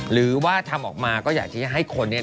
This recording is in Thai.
หรือว่าทำออกมาก็อยากที่จะให้คนเนี่ย